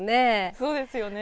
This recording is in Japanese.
そうですよね。